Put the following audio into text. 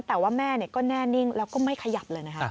แต่ว่าแม่ก็แน่นิ่งแล้วก็ไม่ขยับเลยนะคะ